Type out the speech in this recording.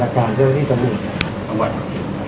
ได้ไหมต้องการที่จะเป็นสิ่งอย่างหลังพนนี้ต่อไป